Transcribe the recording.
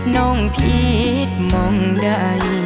น้องผิดมองได้